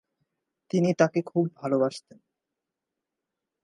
তিনি তাঁকে খুব ভালবাসতেন।